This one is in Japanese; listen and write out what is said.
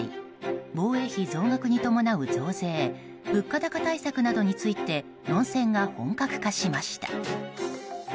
防衛費増額に伴う増税物価高対策などについて論戦が本格化しました。